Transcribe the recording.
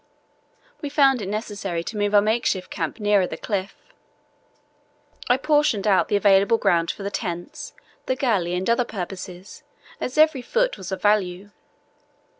We found it necessary to move our makeshift camp nearer the cliff. I portioned out the available ground for the tents, the galley, and other purposes, as every foot was of value.